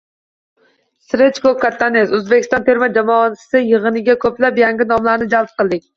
Srechko Katanes: O‘zbekiston terma jamoasi yig‘iniga ko‘plab yangi nomlarni jalb qildik